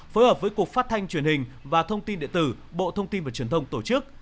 phối hợp với cục phát thanh truyền hình và thông tin địa tử bộ thông tin và truyền thông tổ chức